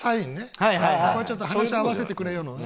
ここはちょっと話合わせてくれよのね。